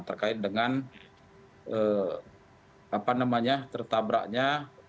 terkait dengan tertabraknya